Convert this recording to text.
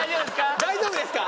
大丈夫ですか？